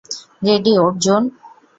Ready, Arjun?